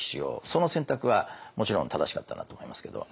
その選択はもちろん正しかったなと思いますけど。